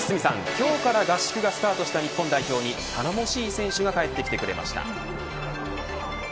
今日から合宿がスタートした日本代表に頼もしい選手が帰ってきてくれました。